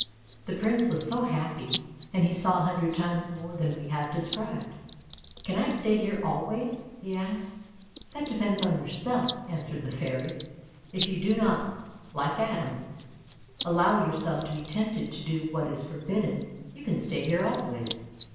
The Prince was so happy, and he saw a hundred times more than we have described. " Can I stay here always? " he asked. " That depends upon yourself," answered the Fairy. " If you do not, like Adam, allow yourself to be tempted to do what is forbidden, you can stay here always."